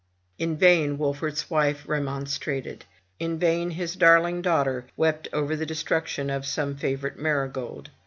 In vain Wolfert's wife remonstrated; in vain his darling daughter wept over the destruction of some favorite marigold.